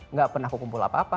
nggak pernah kukumpul apa apa